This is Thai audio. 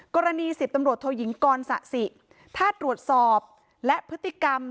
กรณีสิทธิ์ตำโหลดโทยิงกรสะสิถ้าตรวจสอบและพฤติกรรม